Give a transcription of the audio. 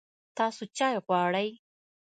تاسو چای غواړئ؟